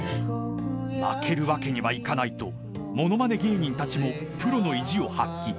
［負けるわけにはいかないとものまね芸人たちもプロの意地を発揮］